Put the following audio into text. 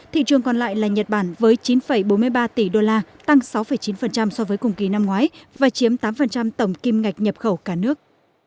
thị trường còn lại là nhật bản với chín bốn mươi ba tỷ đô la tăng sáu chín so với cùng kỳ năm ngoái và chiếm tám tổng kim ngạch nhập khẩu cả nước